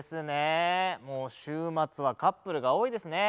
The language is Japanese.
もう週末はカップルが多いですね。